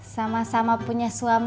sama sama punya suami